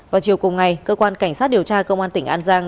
vào chiều cùng ngày cơ quan cảnh sát điều tra công an tỉnh an giang